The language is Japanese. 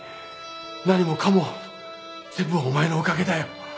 何もかも全部お前のおかげだよ。